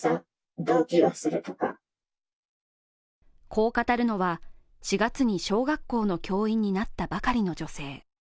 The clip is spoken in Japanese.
こう語るのは、４月に小学校の教員になったばかりの女性。